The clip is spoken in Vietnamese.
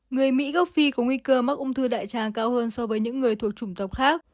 người mỹ gốc phi có nguy cơ mắc ung thư đại tràng cao hơn so với những người thuộc chủng tộc khác